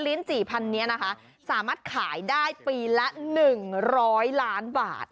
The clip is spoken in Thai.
ลิ้น๔๐๐นี้นะคะสามารถขายได้ปีละ๑๐๐ล้านบาท